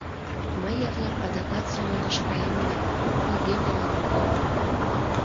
Мый эрла адакат сонарыш каем да кум пийге пеленем налам.